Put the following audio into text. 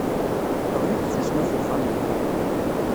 Teɣli-d tsusmi ɣef uxxam-nni.